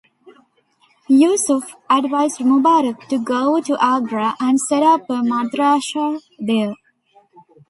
Yusuf advised Mubarak to go to Agra and set up a madrasah there.